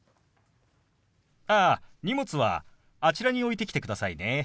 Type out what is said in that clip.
ああ荷物はあちらに置いてきてくださいね。